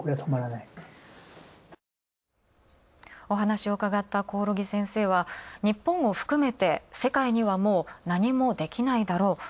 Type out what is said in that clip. お話をうかがった、興梠先生は日本を含めて世界にはもう何もできないだろう。